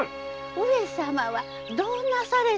上様はどうなされたのじゃ？